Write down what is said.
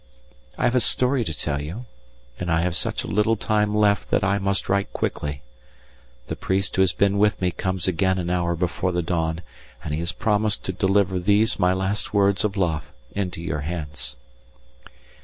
I have a story to tell you, and I have such a little time left that I must write quickly. The priest who has been with me comes again an hour before the dawn, and he has promised to deliver these my last words of love into your hands.